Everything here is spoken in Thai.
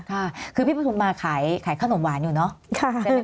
ค่ะคือพี่ประทุมมาขายขนมหวานอยู่เนอะ